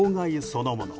そのもの。